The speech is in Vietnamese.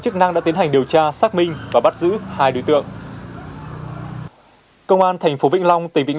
chức năng đã tiến hành điều tra xác minh và bắt giữ hai đối tượng công an tp vĩnh long tỉnh vĩnh